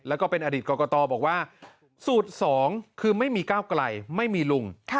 แล้วก็เป็นอดีตกรกตบอกว่าสูตร๒คือไม่มีก้าวไกลไม่มีลุง